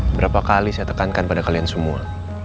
berapa kali saya tekankan pada kalian semua